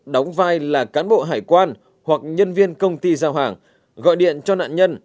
đóng vai là cán bộ hải quan hoặc nhân viên công ty giao hàng gọi điện cho nạn nhân